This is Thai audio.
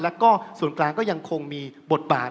แล้วก็ส่วนกลางก็ยังคงมีบทบาท